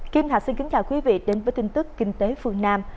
kim thạch xin kính chào quý vị đến với tin tức kinh tế phương nam